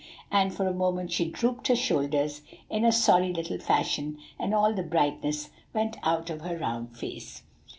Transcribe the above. And for a moment she drooped her shoulders in a sorry little fashion, and all the brightness went out of her round face.